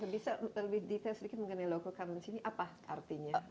bisa lebih detail sedikit mengenai local currency ini apa artinya